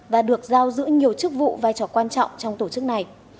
và được giao giữ nhiều chức vụ vai trò quan trọng trong tổ chức này